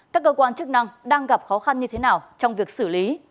các cơ quan chức năng đang gặp khó khăn như thế nào trong việc xử lý